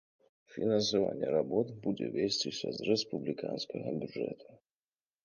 Фінансаванне работ будзе весціся з рэспубліканскага бюджэту.